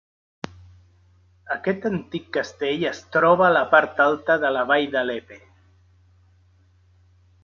Aquest antic castell es troba a la part alta de la vall de Leppe.